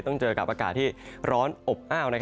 เจอกับอากาศที่ร้อนอบอ้าว